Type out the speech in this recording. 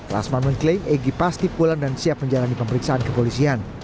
lasman mengklaim egy pasti pulang dan siap menjalani pemeriksaan kepolisian